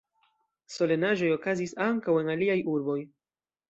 Solenaĵoj okazis ankaŭ en aliaj urboj.